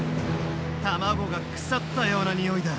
卵が腐ったようなにおいだ。